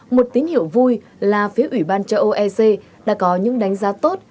một tín hiệu vui là phía ủy ban châu âu ec đã có những đánh giá tốt